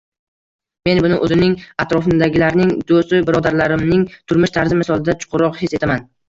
Men buni oʻzimning, atrofimdagilarning, doʻstu birodarlarimning turmush tarzi misolida chuqurroq his etaman.